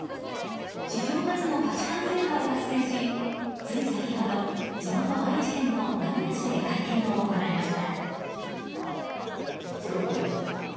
史上初の八冠制覇を達成しつい先ほど、地元・愛知県の名古屋市で会見を行いました。